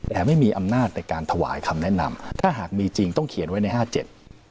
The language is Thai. แต่ไม่มีอำนาจในการถวายคำแนะนำถ้าหากมีจริงต้องเขียนไว้ในห้าเจ็ด